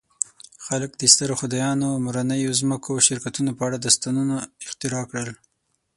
خلک د سترو خدایانو، مورنیو ځمکو او شرکتونو په اړه داستانونه اختراع کړل.